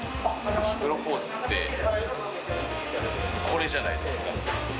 プロポーズって、これじゃないですか。